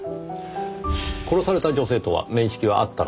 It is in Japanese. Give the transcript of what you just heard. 殺された女性とは面識はあったのですか？